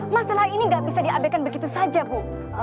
masalah ini gak bisa diambilkan begitu saja bu